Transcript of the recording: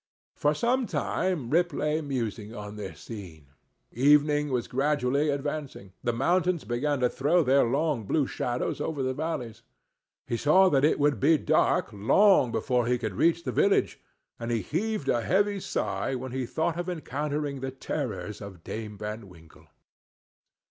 For some time Rip lay musing on this scene; evening was gradually advancing; the mountains began to throw their long blue shadows over the valleys; he saw that it would be dark long before he could reach the village, and he heaved a heavy sigh when he thought of encountering the terrors of Dame Van Winkle.